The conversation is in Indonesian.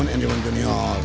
ini pun junior